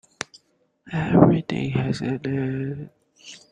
Everything has an end.